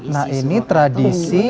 nah ini tradisi